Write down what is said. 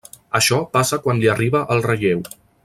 Això passa quan li arriba el relleu.